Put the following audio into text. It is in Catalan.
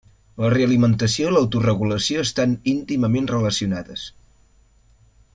La realimentació i l'autoregulació estan íntimament relacionades.